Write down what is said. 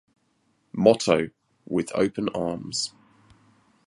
Motto: With Open Arms.